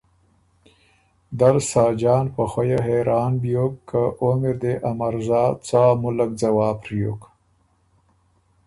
دل ساجان په خؤیه حېران بیوک که اوم اِر دې ا مرزا څا مُلّک ځواب ڒیوک